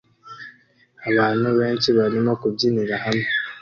Abantu benshi barimo kubyinira hamwe